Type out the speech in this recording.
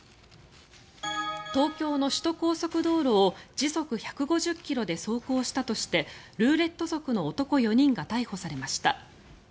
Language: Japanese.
東京の首都高速道路を時速１５０ｋｍで走行したとしてルーレット族の男４人が逮捕されました。